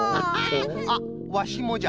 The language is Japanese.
あっワシもじゃ。